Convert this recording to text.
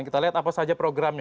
kita lihat apa saja programnya